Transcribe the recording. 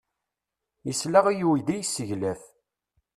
Yesla i uydi yesseglaf.